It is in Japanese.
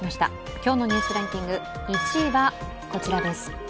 今日の「ニュースランキング」１位はこちらです。